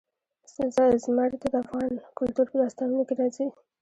زمرد د افغان کلتور په داستانونو کې راځي.